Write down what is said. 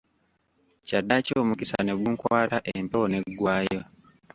Kyaddaaki omukisa ne gunkwata empewo n'eggwaayo.